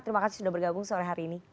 terima kasih sudah bergabung sore hari ini